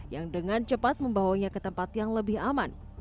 yang dengan cepat membawanya ke tempat yang lebih aman